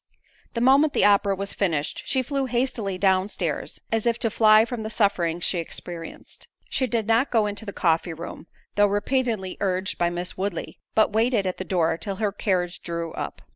The moment the opera was finished, she flew hastily down stairs, as if to fly from the sufferings she experienced. She did not go into the coffee room, though repeatedly urged by Miss Woodley, but waited at the door till her carriage drew up.